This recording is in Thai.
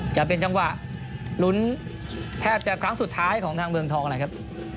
จะเป็นจังหวะลุ้นแทบจะครั้งสุดท้ายของทางเมืองทองนะครับ